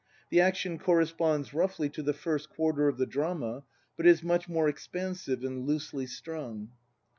The action corresponds roughly to the first quarter of the drama, but is much more expansive and loosely strung.